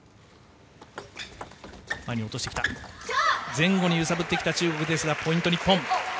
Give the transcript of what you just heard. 前後に揺さぶってきた中国ですがポイント、日本。